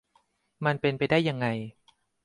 มันเป็นไปได้ยังไง